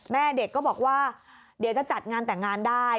แม่เด็กก็บอกว่าเดี๋ยวจะจัดงานแต่งงานได้